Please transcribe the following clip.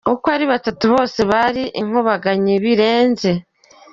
Uko ari batatu bose bari inkugabanyi birenze.